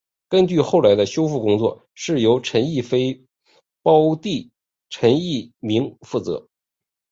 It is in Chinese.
据说后来的修复工作是由陈逸飞胞弟陈逸鸣负责。